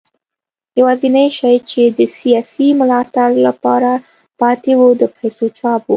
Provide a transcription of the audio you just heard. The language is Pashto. یوازینی شی چې د سیاسي ملاتړ لپاره پاتې و د پیسو چاپ و.